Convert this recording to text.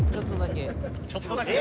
「ちょっとだけ」